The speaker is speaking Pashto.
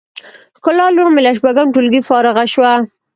ښکلا لور می له شپږم ټولګی فارغه شوه